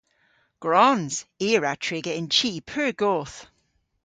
Gwrons! I a wra triga yn chi pur goth.